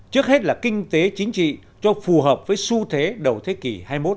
trước hết là kinh tế chính trị cho phù hợp với xu thế đầu thế kỷ hai mươi một